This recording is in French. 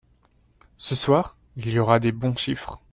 Ce soir, il y aura des bons chiffres